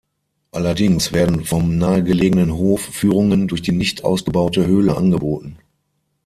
Allerdings werden vom nahegelegenen Hof Führungen durch die nicht ausgebaute Höhle angeboten.